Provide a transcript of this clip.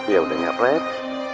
yaudah ya pak